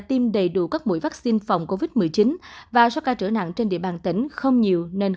tiêm đầy đủ các mũi vắc xin phòng covid một mươi chín và soát ca trở nặng trên địa bàn tỉnh không nhiều nên